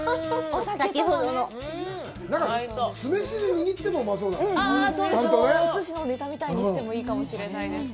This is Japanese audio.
おすしのネタみたいにしてもいいかもしれないです。